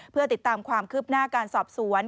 เพื่อติดตามความคืบหน้าการสอบสวน